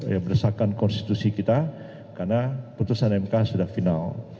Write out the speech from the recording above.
ya berdasarkan konstitusi kita karena putusan mk sudah final